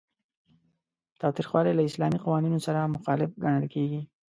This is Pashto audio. تاوتریخوالی له اسلامي قوانینو سره مخالف ګڼل کیږي.